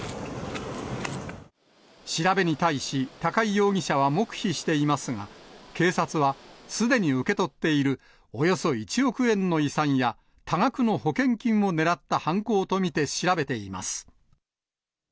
調べに対し、高井容疑者は黙秘していますが、警察はすでに受け取っているおよそ１億円の遺産や、多額の保険金をねらった犯行と見て調べています。